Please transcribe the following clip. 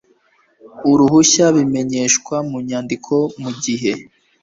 uruhushya bimenyeshwa mu nyandiko mu gihe